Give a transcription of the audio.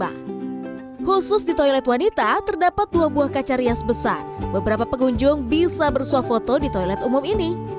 khusus di toilet wanita terdapat dua buah kaca rias besar beberapa pengunjung bisa bersuap foto di toilet umum ini